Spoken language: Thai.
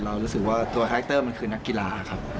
รู้สึกว่าตัวแฮคเตอร์มันคือนักกีฬาครับ